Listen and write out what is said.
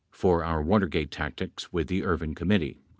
. for our Watergate tactics with the Ervin Committee."